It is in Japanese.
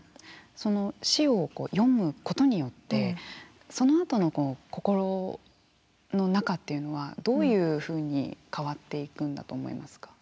死を詠むことによってそのあとの心の中っていうのはどういうふうに変わっていくんだと思いますか？